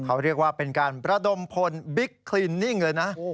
เขาเรียกว่าเป็นการระดมพลบิ๊กคลินนิ่งเลยนะ